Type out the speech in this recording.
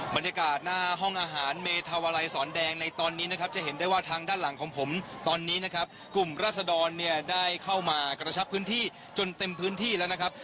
บรรยากาศหน้าห้องอาหารเมธาวลัยสอนแดงในตอนนี้นะครับจะเห็นได้ว่าทางด้านหลังของผมตอนนี้นะครับกลุ่มราศดรเนี่ยได้เข้ามากระชับพื้นที่จนเต็มพื้นที่แล้วนะครับ